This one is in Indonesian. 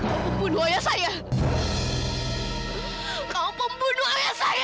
kau membunuh ayah saya kau membunuh ayah saya